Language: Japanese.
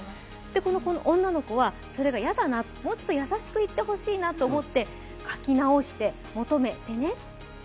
この女の子はそれが嫌だな、もうちょっと優しく言ってほしいなと思って書き直して「もとめてね」。